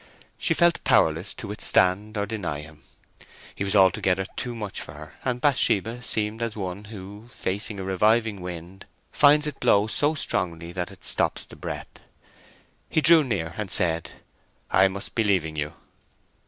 She felt powerless to withstand or deny him. He was altogether too much for her, and Bathsheba seemed as one who, facing a reviving wind, finds it blow so strongly that it stops the breath. He drew near and said, "I must be leaving you."